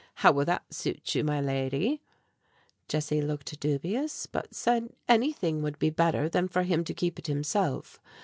How will that suit you, my lady?" Jessie looked dubious, but said anything would be better than for him to keep it himself.